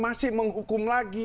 masih menghukum lagi